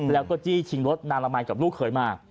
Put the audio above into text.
แล้วก็จี้ชิงรถนาละมัยกับลูกเขยมา